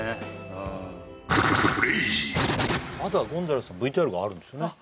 はいまだゴンザレスさんＶＴＲがあるんですよね